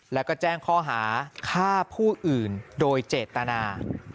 แล้วก็แจ้งข้อหาฆ่าผู้อื่นโดยเจตนา